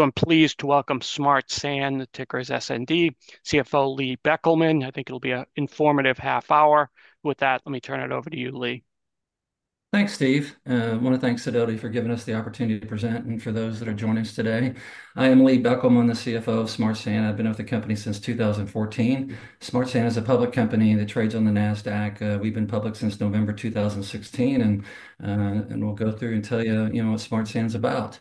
I'm pleased to welcome Smart Sand, ticker is SND, CFO Lee Beckelman. I think it'll be an informative half hour. With that, let me turn it over to you, Lee. Thanks, Steve. I want to thank Sidoti for giving us the opportunity to present and for those that are joining us today. I am Lee Beckelman, the CFO of Smart Sand. I've been with the company since 2014. Smart Sand is a public company that trades on the NASDAQ. We've been public since November 2016, and we'll go through and tell you what Smart Sand is about.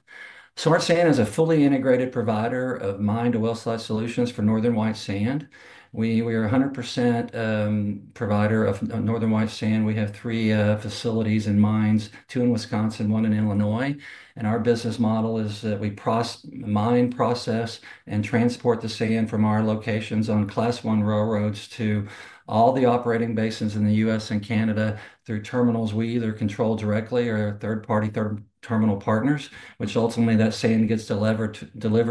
Smart Sand is a fully integrated provider of mine to well site solutions for Northern White Sand. We are a 100% provider of Northern White Sand. We have three facilities and mines, two in Wisconsin, one in Illinois. Our business model is that we mine, process, and transport the sand from our locations on Class I railroads to all the operating basins in the U.S. and Canada through terminals we either control directly or third-party terminal partners, which ultimately means that sand gets delivered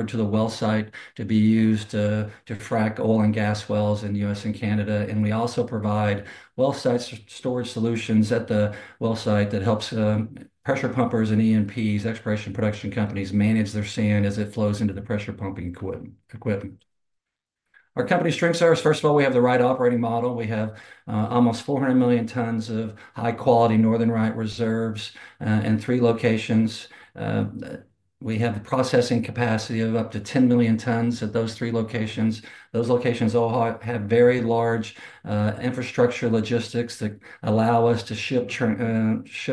to the well site to be used to frack oil and gas wells in the U.S. and Canada. We also provide well site storage solutions at the well site that help pressure pumpers and E&Ps, exploration and production companies, manage their sand as it flows into the pressure pumping equipment. Our company's strengths are, first of all, we have the right operating model. We have almost 400 million tons of high-quality Northern White reserves in three locations. We have the processing capacity of up to 10 million tons at those three locations. Those locations all have very large infrastructure logistics that allow us to ship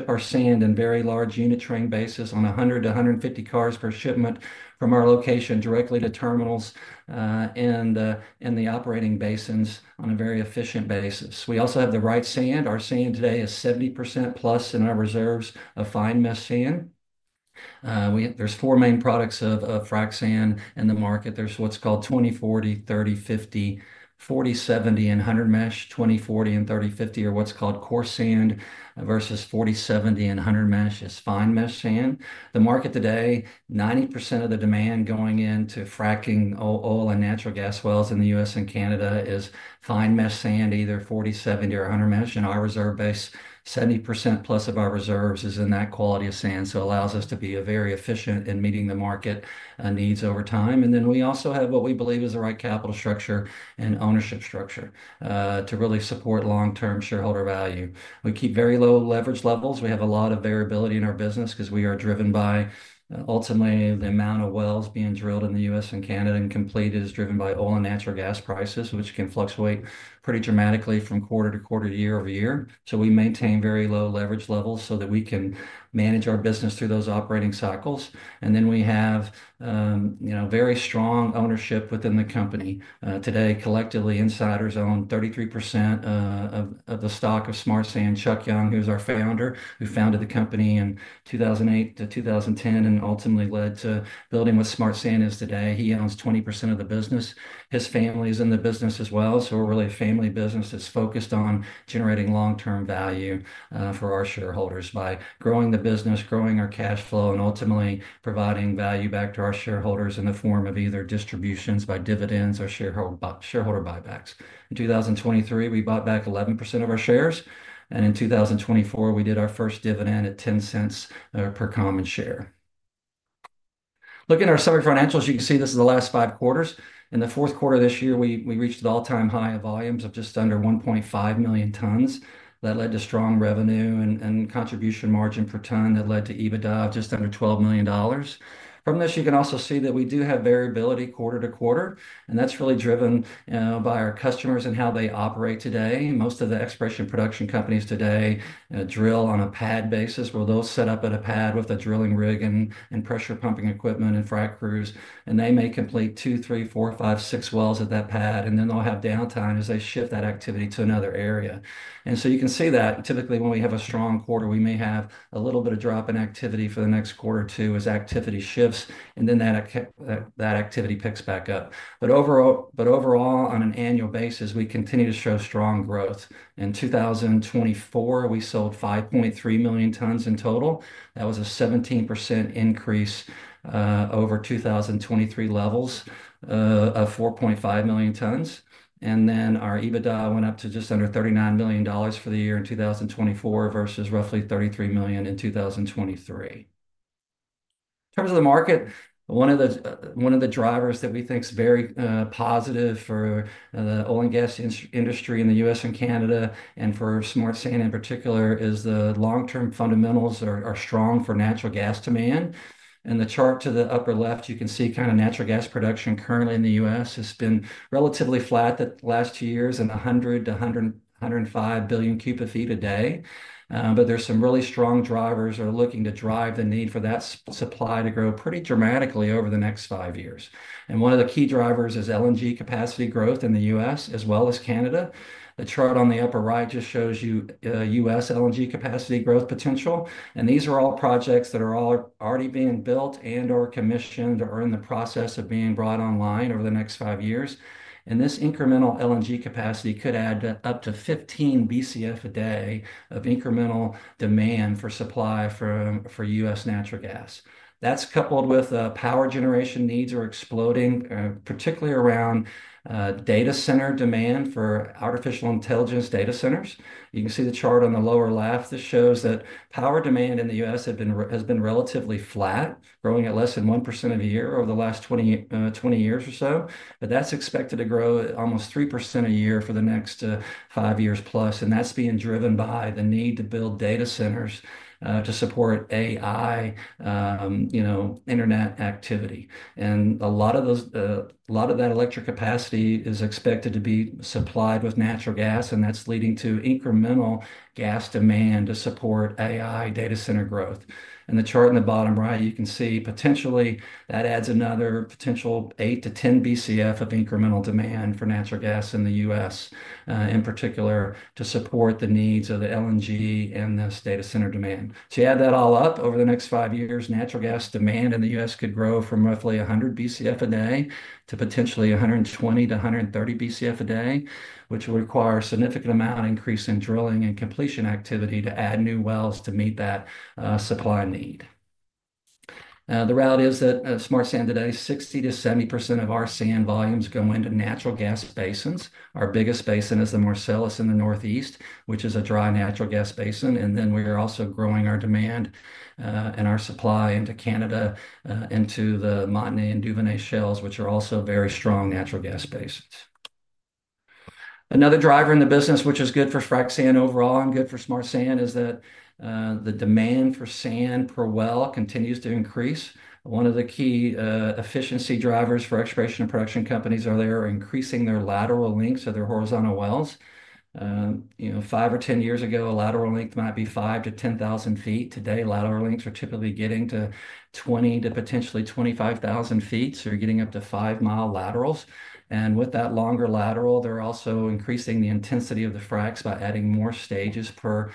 our sand in very large unit train bases on 100-150 cars per shipment from our location directly to terminals and the operating basins on a very efficient basis. We also have the right sand. Our sand today is 70% plus in our reserves of fine mesh sand. There's four main products of frac sand in the market. There's what's called 20/40, 30/50, 40/70, and 100 mesh. 20/40 and 30/50 are what's called coarse sand versus 40/70 and 100 mesh is fine mesh sand. The market today, 90% of the demand going into fracking oil and natural gas wells in the U.S. and Canada is fine mesh sand, either 40/70 or 100 mesh. Our reserve base, 70% plus of our reserves is in that quality of sand. It allows us to be very efficient in meeting the market needs over time. We also have what we believe is the right capital structure and ownership structure to really support long-term shareholder value. We keep very low leverage levels. We have a lot of variability in our business because we are driven by ultimately the amount of wells being drilled in the U.S. and Canada and complete is driven by oil and natural gas prices, which can fluctuate pretty dramatically from quarter to quarter to year-over-year. We maintain very low leverage levels so that we can manage our business through those operating cycles. We have very strong ownership within the company. Today, collectively, insiders own 33% of the stock of Smart Sand. Charles Young, who's our founder, who founded the company in 2008 to 2010 and ultimately led to building what Smart Sand is today. He owns 20% of the business. His family is in the business as well. We are really a family business that's focused on generating long-term value for our shareholders by growing the business, growing our cash flow, and ultimately providing value back to our shareholders in the form of either distributions by dividends or shareholder buybacks. In 2023, we bought back 11% of our shares. In 2024, we did our first dividend at $0.10 per common share. Looking at our summary financials, you can see this is the last five quarters. In the fourth quarter of this year, we reached an all-time high of volumes of just under 1.5 million tons. That led to strong revenue and contribution margin per ton that led to EBITDA of just under $12 million. From this, you can also see that we do have variability quarter to quarter, and that is really driven by our customers and how they operate today. Most of the exploration production companies today drill on a pad basis. They set up at a pad with a drilling rig and pressure pumping equipment and frack crews, and they may complete two, three, four, five, six wells at that pad, and then they will have downtime as they shift that activity to another area. You can see that typically when we have a strong quarter, we may have a little bit of drop in activity for the next quarter or two as activity shifts, and then that activity picks back up. Overall, on an annual basis, we continue to show strong growth. In 2024, we sold 5.3 million tons in total. That was a 17% increase over 2023 levels of 4.5 million tons. Our EBITDA went up to just under $39 million for the year in 2024 versus roughly $33 million in 2023. In terms of the market, one of the drivers that we think is very positive for the oil and gas industry in the U.S. and Canada and for Smart Sand in particular is the long-term fundamentals are strong for natural gas demand. In the chart to the upper left, you can see kind of natural gas production currently in the U.S. has been relatively flat the last two years and 100-105 billion cu ft a day. There are some really strong drivers that are looking to drive the need for that supply to grow pretty dramatically over the next five years. One of the key drivers is LNG capacity growth in the U.S. as well as Canada. The chart on the upper right just shows you U.S. LNG capacity growth potential. These are all projects that are already being built and/or commissioned or in the process of being brought online over the next five years. This incremental LNG capacity could add up to 15 BCF a day of incremental demand for supply for U.S. natural gas. That is coupled with power generation needs that are exploding, particularly around data center demand for artificial intelligence data centers. You can see the chart on the lower left. This shows that power demand in the U.S. has been relatively flat, growing at less than 1% a year over the last 20 years or so. That is expected to grow almost 3% a year for the next five years plus. That is being driven by the need to build data centers to support AI internet activity. A lot of that electric capacity is expected to be supplied with natural gas, and that is leading to incremental gas demand to support AI data center growth. In the chart in the bottom right, you can see potentially that adds another potential 8-10 BCF of incremental demand for natural gas in the U.S., in particular to support the needs of the LNG and this data center demand. To add that all up, over the next five years, natural gas demand in the U.S. could grow from roughly 100 BCF a day to potentially 120-130 BCF a day, which will require a significant amount of increase in drilling and completion activity to add new wells to meet that supply need. The reality is that Smart Sand today, 60-70% of our sand volumes go into natural gas basins. Our biggest basin is the Marcellus in the northeast, which is a dry natural gas basin. We are also growing our demand and our supply into Canada, into the Montney and Duvernay shales, which are also very strong natural gas basins. Another driver in the business, which is good for frac sand overall and good for Smart Sand, is that the demand for sand per well continues to increase. One of the key efficiency drivers for exploration and production companies are they are increasing their lateral lengths of their horizontal wells. Five or ten years ago, a lateral length might be 5,000 to 10,000 ft. Today, lateral lengths are typically getting to 20,000 to potentially 25,000 ft. You're getting up to five-mile laterals. With that longer lateral, they're also increasing the intensity of the fracs by adding more stages per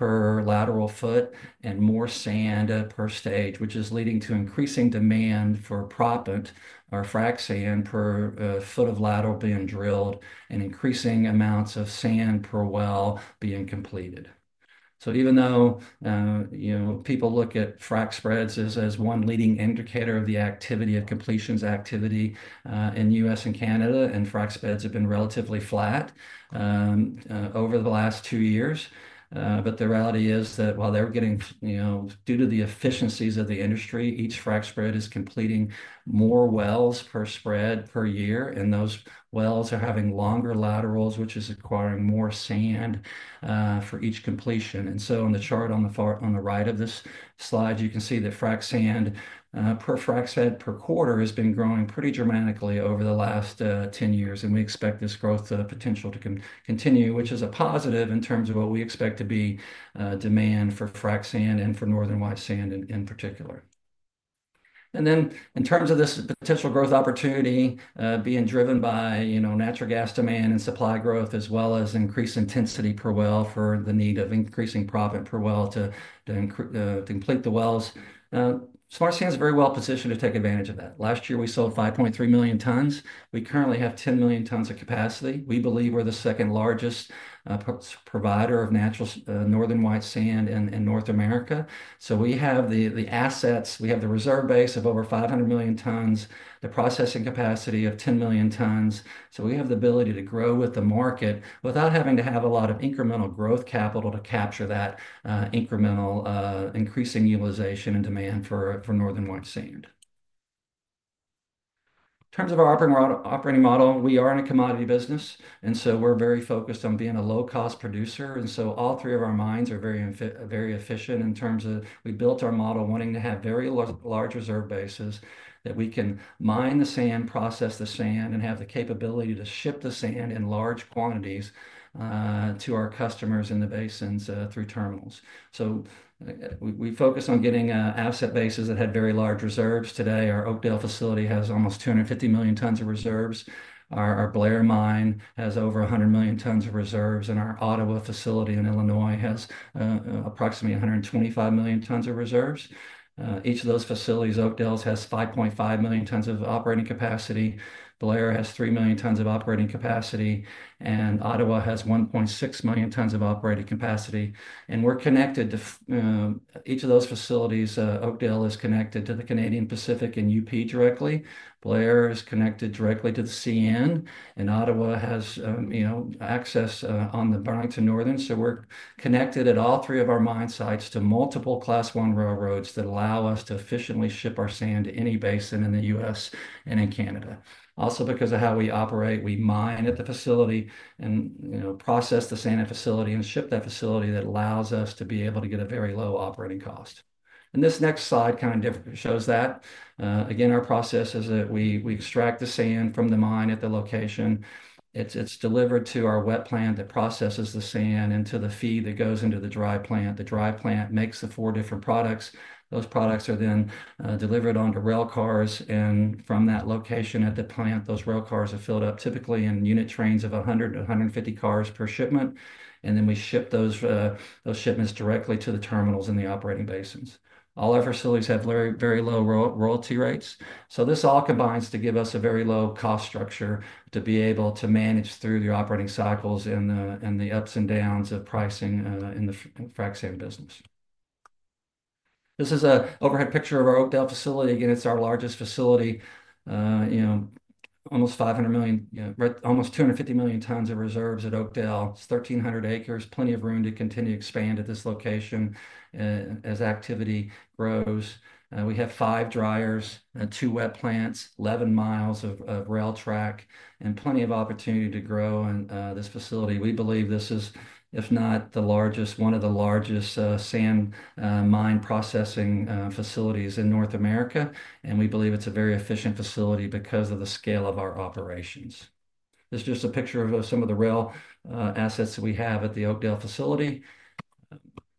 lateral foot and more sand per stage, which is leading to increasing demand for proppant or frac sand per foot of lateral being drilled and increasing amounts of sand per well being completed. Even though people look at frac spreads as one leading indicator of the activity of completions activity in the U.S. and Canada, and frac spreads have been relatively flat over the last two years. The reality is that while they're getting, due to the efficiencies of the industry, each frac spread is completing more wells per spread per year, and those wells are having longer laterals, which is requiring more sand for each completion. In the chart on the right of this slide, you can see that frac sand per frac spread per quarter has been growing pretty dramatically over the last 10 years. We expect this growth potential to continue, which is a positive in terms of what we expect to be demand for frac sand and for Northern White Sand in particular. In terms of this potential growth opportunity being driven by natural gas demand and supply growth, as well as increased intensity per well for the need of increasing proppant per well to complete the wells, Smart Sand is very well positioned to take advantage of that. Last year, we sold 5.3 million tons. We currently have 10 million tons of capacity. We believe we're the second largest provider of natural Northern White Sand in North America. We have the assets. We have the reserve base of over 500 million tons, the processing capacity of 10 million tons. We have the ability to grow with the market without having to have a lot of incremental growth capital to capture that incremental increasing utilization and demand for Northern White Sand. In terms of our operating model, we are in a commodity business, and so we're very focused on being a low-cost producer. All three of our mines are very efficient in terms of we built our model wanting to have very large reserve bases that we can mine the sand, process the sand, and have the capability to ship the sand in large quantities to our customers in the basins through terminals. We focus on getting asset bases that had very large reserves. Today, our Oakdale facility has almost 250 million tons of reserves. Our Blair mine has over 100 million tons of reserves, and our Ottawa facility in Illinois has approximately 125 million tons of reserves. Each of those facilities, Oakdale's has 5.5 million tons of operating capacity. Blair has 3 million tons of operating capacity, and Ottawa has 1.6 million tons of operating capacity. We're connected to each of those facilities. Oakdale is connected to the Canadian Pacific and UP directly. Blair is connected directly to the CN, and Ottawa has access on the Burlington Northern. We're connected at all three of our mine sites to multiple Class I railroads that allow us to efficiently ship our sand to any basin in the U.S. and in Canada. Also, because of how we operate, we mine at the facility and process the sand at the facility and ship that facility. That allows us to be able to get a very low operating cost. This next slide kind of shows that. Again, our process is that we extract the sand from the mine at the location. It's delivered to our wet plant that processes the sand into the feed that goes into the dry plant. The dry plant makes the four different products. Those products are then delivered onto rail cars. From that location at the plant, those rail cars are filled up typically in unit trains of 100-150 cars per shipment. We ship those shipments directly to the terminals in the operating basins. All our facilities have very low royalty rates. This all combines to give us a very low cost structure to be able to manage through the operating cycles and the ups and downs of pricing in the frac sand business. This is an overhead picture of our Oakdale facility. Again, it's our largest facility. Almost 500 million, almost 250 million tons of reserves at Oakdale. It's 1,300 acres, plenty of room to continue to expand at this location as activity grows. We have five dryers, two wet plants, 11 miles of rail track, and plenty of opportunity to grow in this facility. We believe this is, if not the largest, one of the largest sand mine processing facilities in North America. We believe it's a very efficient facility because of the scale of our operations. This is just a picture of some of the rail assets that we have at the Oakdale facility.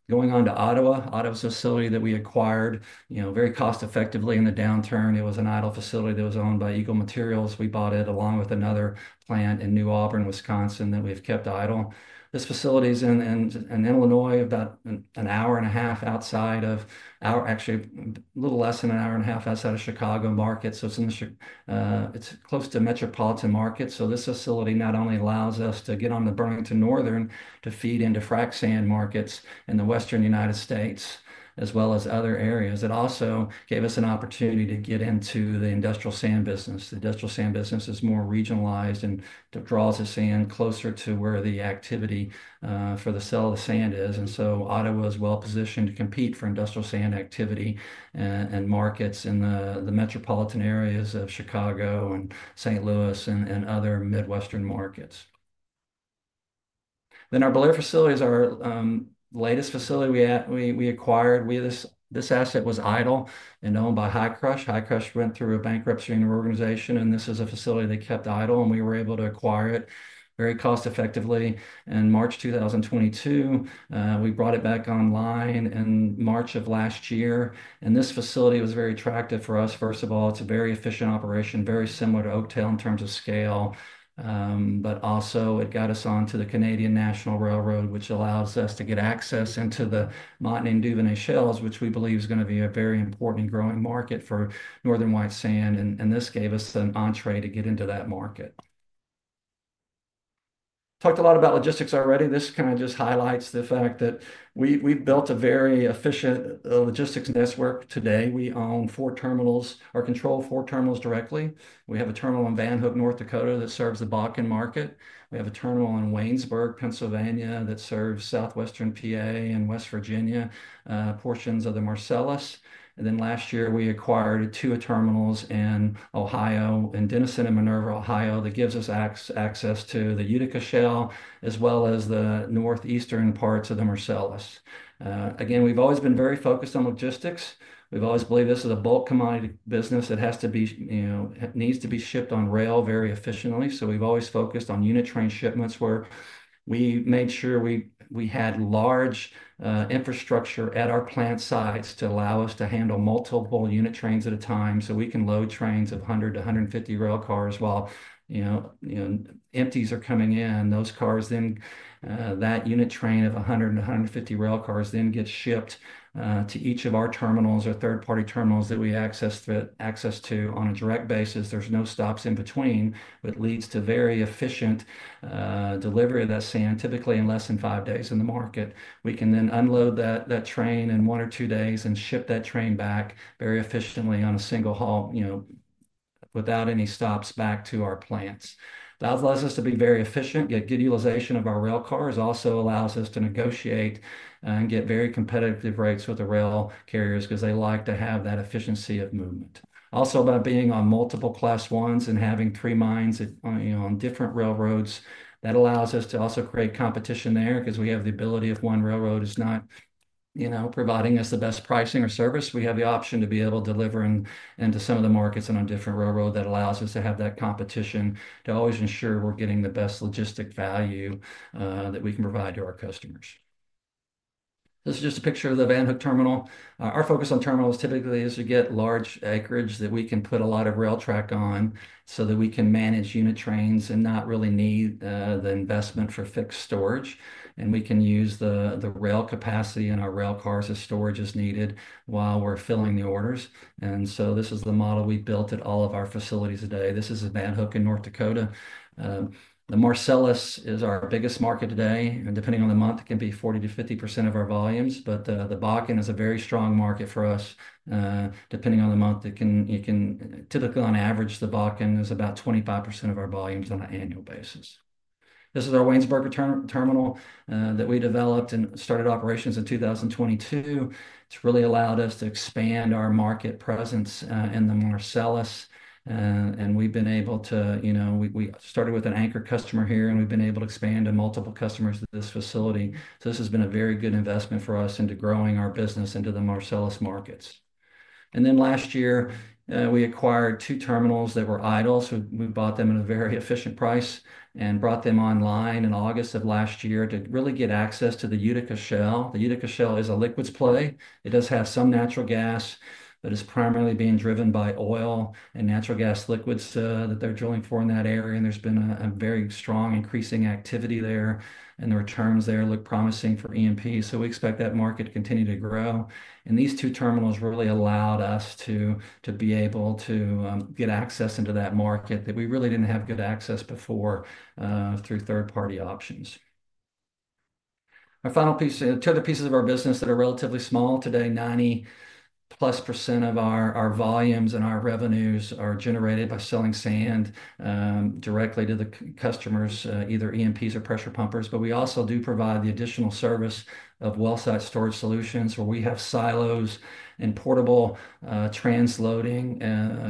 Going on to Ottawa, Ottawa's facility that we acquired very cost-effectively in the downturn. It was an idle facility that was owned by Eagle Materials. We bought it along with another plant in New Auburn, Wisconsin, that we've kept idle. This facility is in Illinois, about an hour and a half outside of, actually, a little less than an hour and a half outside of Chicago market. It's close to Metropolitan Market. This facility not only allows us to get on the Burlington Northern to feed into frac sand markets in the Western United States, as well as other areas. It also gave us an opportunity to get into the industrial sand business. The industrial sand business is more regionalized and draws the sand closer to where the activity for the sale of the sand is. Ottawa is well positioned to compete for industrial sand activity and markets in the metropolitan areas of Chicago and St. Louis and other Midwestern markets. Our Blair facility is our latest facility we acquired. This asset was idle and owned by Hi-Crush. Hi-Crush went through a bankruptcy reorganization, and this is a facility they kept idle, and we were able to acquire it very cost-effectively. In March 2022, we brought it back online in March of last year. This facility was very attractive for us. First of all, it's a very efficient operation, very similar to Oakdale in terms of scale. It also got us onto the Canadian National Railroad, which allows us to get access into the Montney and Duvernay shales, which we believe is going to be a very important and growing market for Northern White sand. This gave us an entree to get into that market. Talked a lot about logistics already. This kind of just highlights the fact that we've built a very efficient logistics network today. We own four terminals, or control four terminals directly. We have a terminal in Van Hook, North Dakota, that serves the Bakken market. We have a terminal in Waynesburg, Pennsylvania, that serves Southwestern PA and West Virginia, portions of the Marcellus. Last year, we acquired two terminals in Ohio, in Dennison and Minerva, Ohio, that gives us access to the Utica Shale, as well as the northeastern parts of the Marcellus. We have always been very focused on logistics. We have always believed this is a bulk commodity business that has to be, needs to be shipped on rail very efficiently. We have always focused on unit train shipments, where we made sure we had large infrastructure at our plant sites to allow us to handle multiple unit trains at a time. We can load trains of 100-150 rail cars while empties are coming in. Those cars, then that unit train of 100-150 rail cars then gets shipped to each of our terminals or third-party terminals that we access to on a direct basis. There's no stops in between, but it leads to very efficient delivery of that sand, typically in less than five days in the market. We can then unload that train in one or two days and ship that train back very efficiently on a single haul without any stops back to our plants. That allows us to be very efficient. Good utilization of our rail cars also allows us to negotiate and get very competitive rates with the rail carriers because they like to have that efficiency of movement. Also, by being on multiple Class I's and having three mines on different railroads, that allows us to also create competition there because we have the ability if one railroad is not providing us the best pricing or service. We have the option to be able to deliver into some of the markets and on different railroads that allows us to have that competition to always ensure we're getting the best logistic value that we can provide to our customers. This is just a picture of the Van Hook terminal. Our focus on terminals typically is to get large acreage that we can put a lot of rail track on so that we can manage unit trains and not really need the investment for fixed storage. We can use the rail capacity and our rail cars as storage as needed while we're filling the orders. This is the model we built at all of our facilities today. This is a Van Hook in North Dakota. The Marcellus is our biggest market today. Depending on the month, it can be 40-50% of our volumes. The Bakken is a very strong market for us. Depending on the month, it can typically, on average, the Bakken is about 25% of our volumes on an annual basis. This is our Waynesburg terminal that we developed and started operations in 2022. It has really allowed us to expand our market presence in the Marcellus. We started with an anchor customer here, and we have been able to expand to multiple customers at this facility. This has been a very good investment for us into growing our business into the Marcellus markets. Last year, we acquired two terminals that were idle. We bought them at a very efficient price and brought them online in August of last year to really get access to the Utica Shale. The Utica Shale is a liquids play. It does have some natural gas, but it's primarily being driven by oil and natural gas liquids that they're drilling for in that area. There has been a very strong increasing activity there. The returns there look promising for E&P. We expect that market to continue to grow. These two terminals really allowed us to be able to get access into that market that we really didn't have good access before through third-party options. Our final piece, two other pieces of our business that are relatively small today, 90+% of our volumes and our revenues are generated by selling sand directly to the customers, either E&Ps or pressure pumpers. We also do provide the additional service of well-site storage solutions where we have silos and portable transloading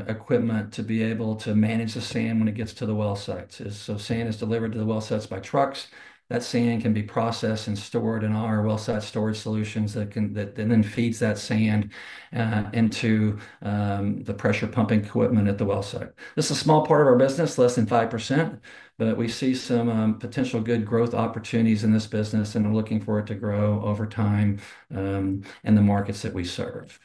equipment to be able to manage the sand when it gets to the well sites. Sand is delivered to the well sites by trucks. That sand can be processed and stored in our well-site storage solutions that then feeds that sand into the pressure pumping equipment at the well site. This is a small part of our business, less than 5%, but we see some potential good growth opportunities in this business, and we're looking forward to grow over time in the markets that we serve.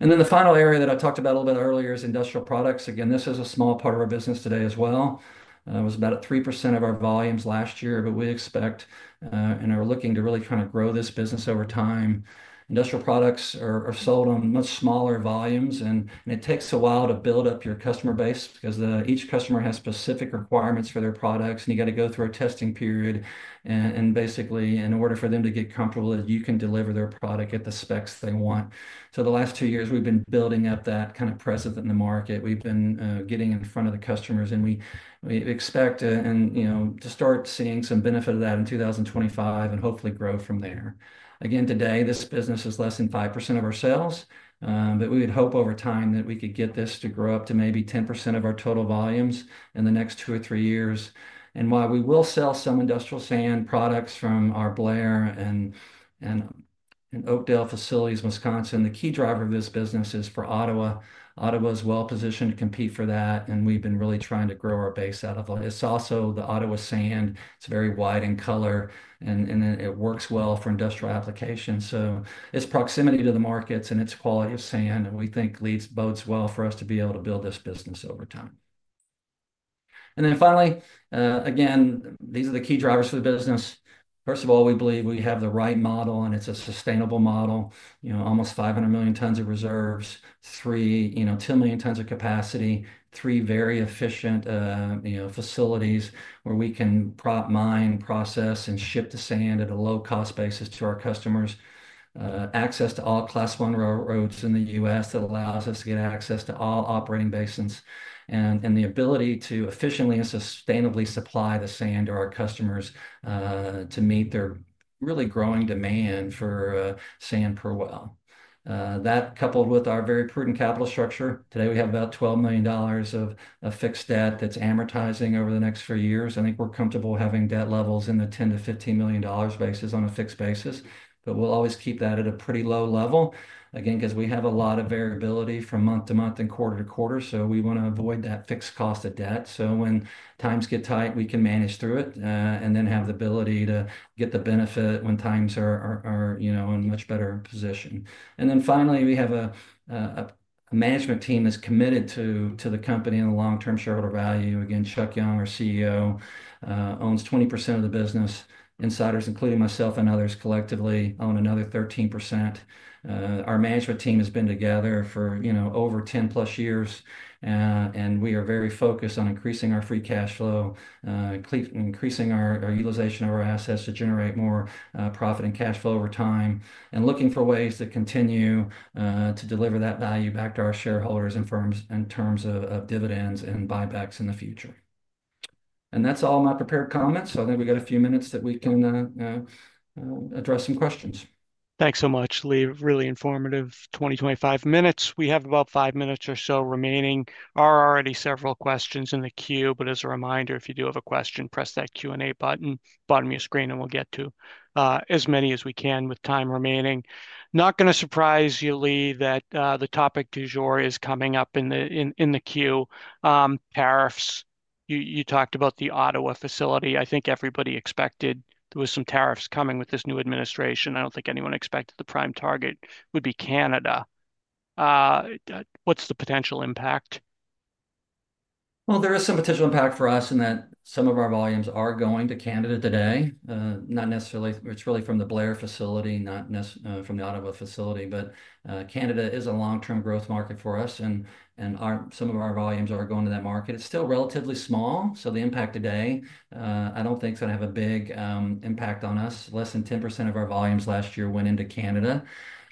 The final area that I talked about a little bit earlier is industrial products. Again, this is a small part of our business today as well. It was about 3% of our volumes last year, but we expect and are looking to really kind of grow this business over time. Industrial products are sold on much smaller volumes, and it takes a while to build up your customer base because each customer has specific requirements for their products, and you got to go through a testing period. Basically, in order for them to get comfortable that you can deliver their product at the specs they want. The last two years, we've been building up that kind of presence in the market. We've been getting in front of the customers, and we expect to start seeing some benefit of that in 2025 and hopefully grow from there. Again, today, this business is less than 5% of our sales, but we would hope over time that we could get this to grow up to maybe 10% of our total volumes in the next two or three years. While we will sell some industrial sand products from our Blair and Oakdale facilities, Wisconsin, the key driver of this business is for Ottawa. Ottawa is well positioned to compete for that, and we've been really trying to grow our base out of. It's also the Ottawa sand. It's very white in color, and it works well for industrial applications. Its proximity to the markets and its quality of sand, we think, leads both well for us to be able to build this business over time. Finally, again, these are the key drivers for the business. First of all, we believe we have the right model, and it's a sustainable model. Almost 500 million tons of reserves, 10 million tons of capacity, three very efficient facilities where we can prop mine, process, and ship the sand at a low-cost basis to our customers. Access to all Class I railroads in the U.S. that allows us to get access to all operating basins and the ability to efficiently and sustainably supply the sand to our customers to meet their really growing demand for sand per well. That, coupled with our very prudent capital structure, today we have about $12 million of fixed debt that's amortizing over the next few years. I think we're comfortable having debt levels in the $10 million-$15 million basis on a fixed basis, but we'll always keep that at a pretty low level. Again, because we have a lot of variability from month to month and quarter to quarter, we want to avoid that fixed cost of debt. When times get tight, we can manage through it and then have the ability to get the benefit when times are in much better position. Finally, we have a management team that's committed to the company and the long-term shareholder value. Again, Charles Young, our CEO, owns 20% of the business. Insiders, including myself and others collectively, own another 13%. Our management team has been together for over 10+ years, and we are very focused on increasing our free cash flow, increasing our utilization of our assets to generate more profit and cash flow over time, and looking for ways to continue to deliver that value back to our shareholders and firms in terms of dividends and buybacks in the future. That's all my prepared comments. I think we got a few minutes that we can address some questions. Thanks so much, Lee. Really informative 20-25 minutes. We have about five minutes or so remaining. There are already several questions in the queue, but as a reminder, if you do have a question, press that Q&A button on your screen, and we'll get to as many as we can with time remaining. Not going to surprise you, Lee, that the topic du jour is coming up in the queue. Tariffs. You talked about the Ottawa facility. I think everybody expected there were some tariffs coming with this new administration. I don't think anyone expected the prime target would be Canada. What's the potential impact? There is some potential impact for us in that some of our volumes are going to Canada today. Not necessarily. It's really from the Blair facility, not from the Ottawa facility. Canada is a long-term growth market for us, and some of our volumes are going to that market. It's still relatively small, so the impact today, I don't think it's going to have a big impact on us. Less than 10% of our volumes last year went into Canada.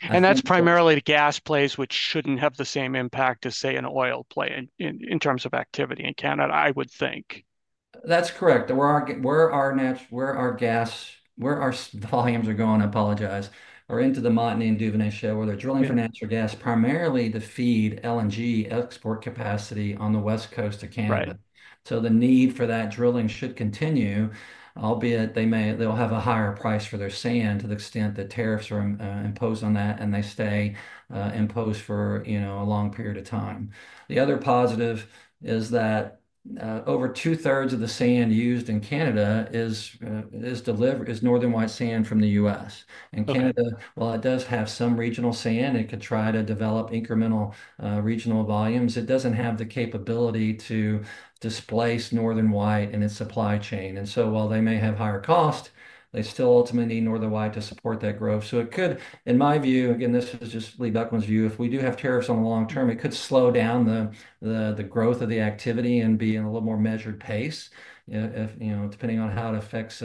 And that's primarily the gas plays, which shouldn't have the same impact as, say, an oil play in terms of activity in Canada, I would think. That's correct. Where our gas, where our volumes are going, I apologize, are into the Montney and Duvernay shale where they're drilling for natural gas, primarily to feed LNG export capacity on the West Coast of Canada. The need for that drilling should continue, albeit they'll have a higher price for their sand to the extent that tariffs are imposed on that and they stay imposed for a long period of time. The other positive is that over two-thirds of the sand used in Canada is Northern White sand from the U.S.. Canada, while it does have some regional sand and can try to develop incremental regional volumes, does not have the capability to displace Northern White in its supply chain. While they may have higher cost, they still ultimately need Northern White to support that growth. It could, in my view, again, this is just Lee Beckelman's view, if we do have tariffs on the long term, it could slow down the growth of the activity and be in a little more measured pace, depending on how it affects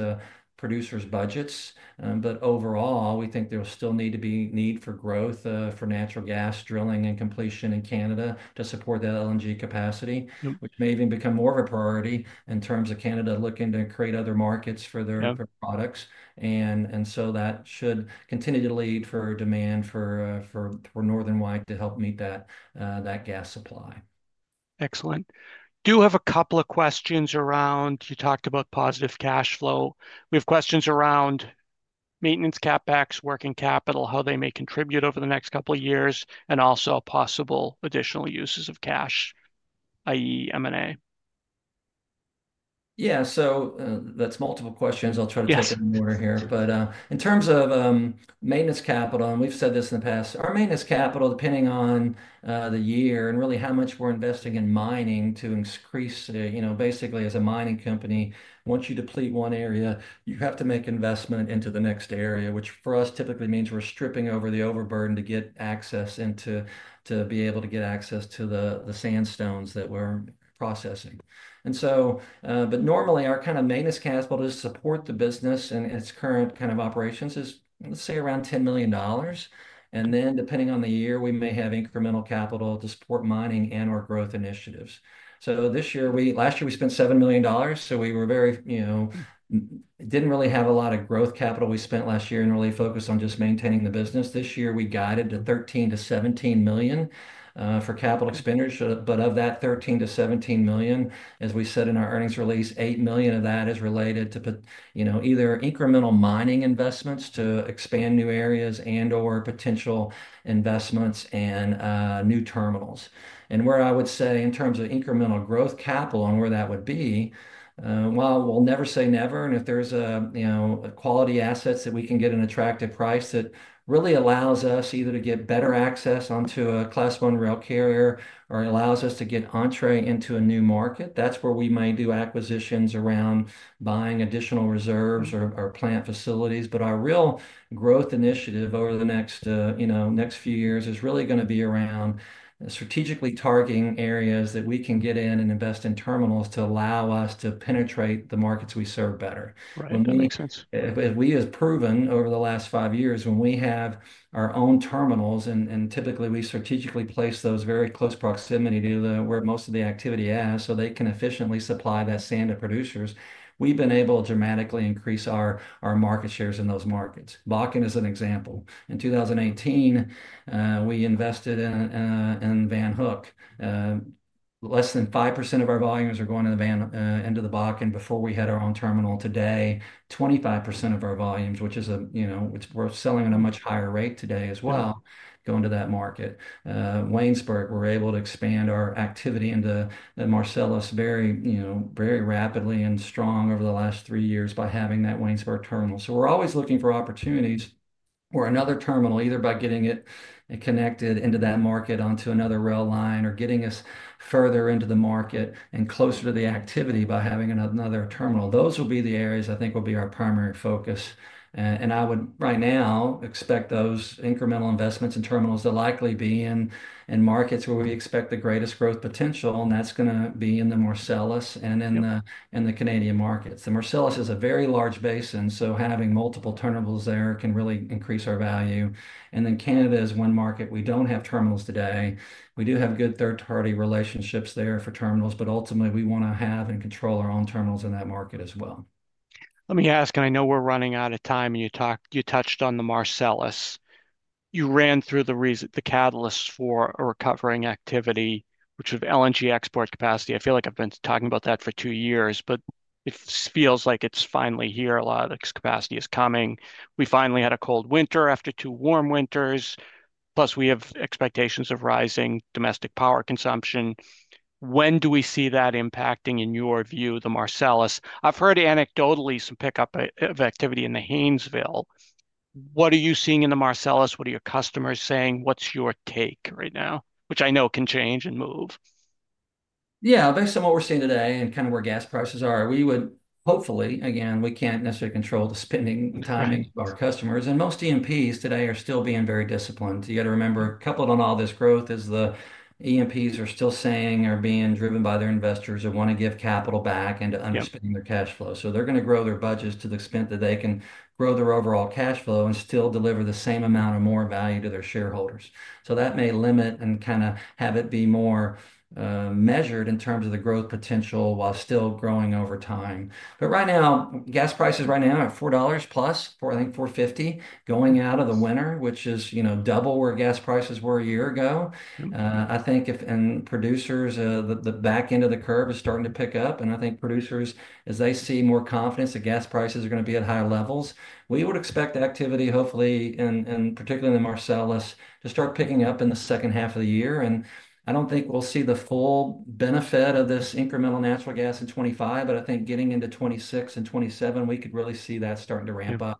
producers' budgets. Overall, we think there will still need to be need for growth for natural gas drilling and completion in Canada to support that LNG capacity, which may even become more of a priority in terms of Canada looking to create other markets for their products. That should continue to lead for demand for Northern White to help meet that gas supply. Excellent. I do have a couple of questions around, you talked about positive cash flow. We have questions around maintenance CapEx, working capital, how they may contribute over the next couple of years, and also possible additional uses of cash, i.e., M&A. Yeah, that is multiple questions. I'll try to take it more here. In terms of maintenance capital, and we've said this in the past, our maintenance capital, depending on the year and really how much we're investing in mining to increase, basically as a mining company, once you deplete one area, you have to make investment into the next area, which for us typically means we're stripping over the overburden to get access into, to be able to get access to the sandstones that we're processing. Normally our kind of maintenance capital to support the business and its current kind of operations is, let's say, around $10 million. Depending on the year, we may have incremental capital to support mining and/or growth initiatives. This year, last year, we spent $7 million. We did not really have a lot of growth capital we spent last year and really focused on just maintaining the business. This year, we guided to $13 million-$17 million for capital expenditure. Of that $13 million-$17 million, as we said in our earnings release, $8 million of that is related to either incremental mining investments to expand new areas and/or potential investments in new terminals. Where I would say in terms of incremental growth capital and where that would be, we'll never say never. If there are quality assets that we can get at an attractive price that really allows us either to get better access onto a Class I rail carrier or allows us to get entree into a new market, that is where we might do acquisitions around buying additional reserves or plant facilities. Our real growth initiative over the next few years is really going to be around strategically targeting areas that we can get in and invest in terminals to allow us to penetrate the markets we serve better. That makes sense. We have proven over the last five years when we have our own terminals, and typically we strategically place those in very close proximity to where most of the activity is so they can efficiently supply that sand to producers, we have been able to dramatically increase our market shares in those markets. Bakken is an example. In 2018, we invested in Van Hook. Less than 5% of our volumes are going to the Bakken before we had our own terminal. Today, 25% of our volumes, which is a, we're selling at a much higher rate today as well, going to that market. Waynesburg, we're able to expand our activity into Marcellus very rapidly and strong over the last three years by having that Waynesburg terminal. We are always looking for opportunities for another terminal, either by getting it connected into that market onto another rail line or getting us further into the market and closer to the activity by having another terminal. Those will be the areas I think will be our primary focus. I would right now expect those incremental investments in terminals to likely be in markets where we expect the greatest growth potential, and that is going to be in the Marcellus and in the Canadian markets. The Marcellus is a very large basin, so having multiple terminals there can really increase our value. Canada is one market we do not have terminals today. We do have good third-party relationships there for terminals, but ultimately we want to have and control our own terminals in that market as well. Let me ask, I know we are running out of time, and you touched on the Marcellus. You ran through the catalysts for a recovering activity, which was LNG export capacity. I feel like I have been talking about that for two years, but it feels like it is finally here. A lot of this capacity is coming. We finally had a cold winter after two warm winters. Plus, we have expectations of rising domestic power consumption. When do we see that impacting, in your view, the Marcellus? I've heard anecdotally some pickup of activity in the Haynesville. What are you seeing in the Marcellus? What are your customers saying? What's your take right now, which I know can change and move? Yeah, based on what we're seeing today and kind of where gas prices are, we would hopefully, again, we can't necessarily control the spending timing of our customers. Most E&Ps today are still being very disciplined. You got to remember, coupled on all this growth is the E&Ps are still saying are being driven by their investors who want to give capital back and to understand their cash flow. They're going to grow their budgets to the extent that they can grow their overall cash flow and still deliver the same amount of more value to their shareholders. That may limit and kind of have it be more measured in terms of the growth potential while still growing over time. Right now, gas prices right now are $4+, I think $4.50 going out of the winter, which is double where gas prices were a year ago. I think if, and producers, the back end of the curve is starting to pick up. I think producers, as they see more confidence that gas prices are going to be at high levels, we would expect activity, hopefully, and particularly in the Marcellus, to start picking up in the second half of the year. I do not think we will see the full benefit of this incremental natural gas in 2025, but I think getting into 2026 and 2027, we could really see that starting to ramp up.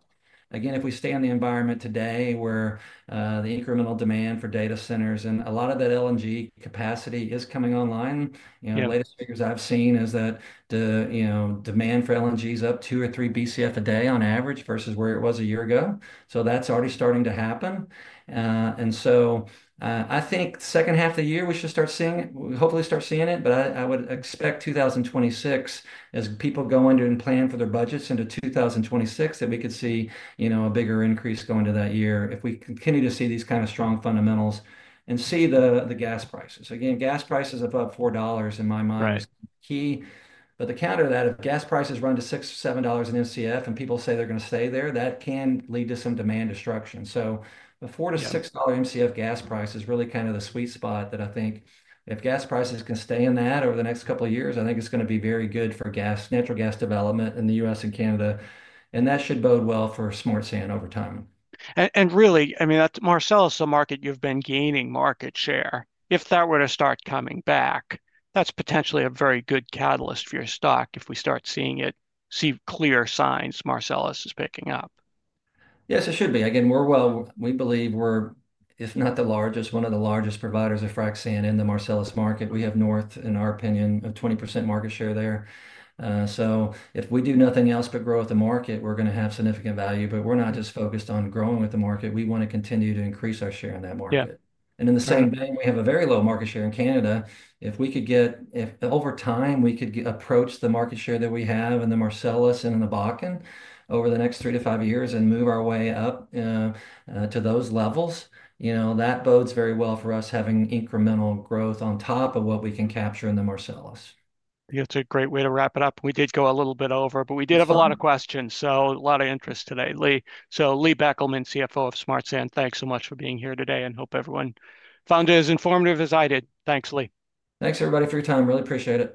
Again, if we stay in the environment today where the incremental demand for data centers and a lot of that LNG capacity is coming online, the latest figures I have seen are that the demand for LNG is up two or three BCF a day on average versus where it was a year ago. That is already starting to happen. I think second half of the year, we should start seeing it, hopefully start seeing it, but I would expect 2026, as people go into and plan for their budgets into 2026, that we could see a bigger increase going to that year if we continue to see these kind of strong fundamentals and see the gas prices. Again, gas prices above $4 in my mind. The counter to that, if gas prices run to $6-$7 in MCF and people say they're going to stay there, that can lead to some demand destruction. The $4-$6 MCF gas price is really kind of the sweet spot that I think if gas prices can stay in that over the next couple of years, I think it's going to be very good for natural gas development in the U.S. and Canada. That should bode well for Smart Sand over time. Really, I mean, that's Marcellus, a market you've been gaining market share. If that were to start coming back, that's potentially a very good catalyst for your stock if we start seeing it, see clear signs Marcellus is picking up. Yes, it should be. Again, we believe we're, if not the largest, one of the largest providers of frac sand in the Marcellus market. We have north, in our opinion, of 20% market share there. If we do nothing else but grow with the market, we're going to have significant value. We're not just focused on growing with the market. We want to continue to increase our share in that market. In the same vein, we have a very low market share in Canada. If we could get, if over time we could approach the market share that we have in the Marcellus and in the Bakken over the next three to five years and move our way up to those levels, that bodes very well for us having incremental growth on top of what we can capture in the Marcellus. Yeah, it's a great way to wrap it up. We did go a little bit over, but we did have a lot of questions. A lot of interest today, Lee. Lee Beckelman, CFO of Smart Sand, thanks so much for being here today and hope everyone found it as informative as I did. Thanks, Lee. Thanks, everybody, for your time. Really appreciate it.